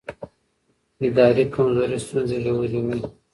اداري کمزوري ستونزې ژوروي